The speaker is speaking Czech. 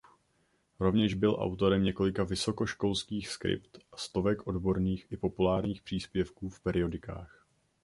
Rovněž byl autorem několika vysokoškolských skript a stovek odborných i populárních příspěvků v periodikách.